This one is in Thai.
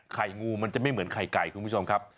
งูมันจะไม่เหมือนไข่ไก่คุณผู้ชมครับ